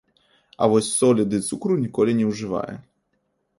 А вось солі ды цукру ніколі не ўжывае.